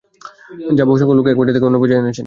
যা বহু সংখ্যক লোক এক পর্যায় থেকে অন্য পর্যায় শুনেছেন।